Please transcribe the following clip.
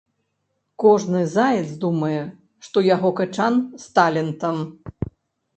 Кожны заяц думае, што яго качан з талентам.